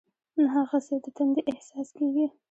نه هغسې د تندې احساس کېږي.